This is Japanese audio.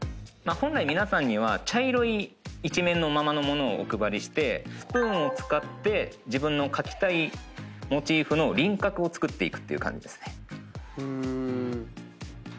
本来皆さんには茶色い一面のままの物をお配りしてスプーンを使って自分の描きたいモチーフの輪郭を作っていくっていう感じですね。